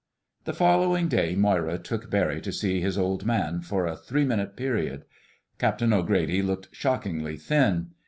The following day Moira took Barry to see his Old Man for a three minute period. Captain O'Grady looked shockingly thin.